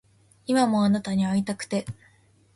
今もあなたに逢いたくて